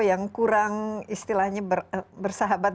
yang kurang istilahnya bersahabat